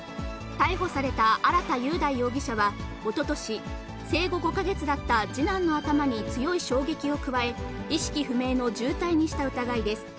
逮捕された荒田佑大容疑者は、おととし、生後５か月だった次男の頭に強い衝撃を加え、意識不明の重体にした疑いです。